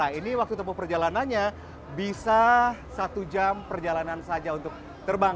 nah ini waktu tempuh perjalanannya bisa satu jam perjalanan saja untuk terbang